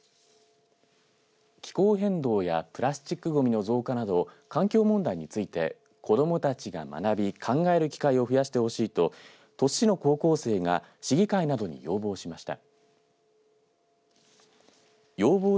気候変動やプラスチックごみの増加など環境問題について子どもたちが学び、考える機会を増やしてほしいと鳥栖市の高校生が鳥栖市教育委員会と市議会などに要望しました。